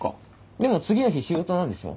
でも次の日仕事なんでしょ？